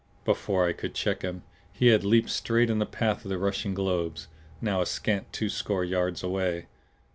Before I could check him, he had leaped straight in the path of the rushing globes, now a scant twoscore yards away.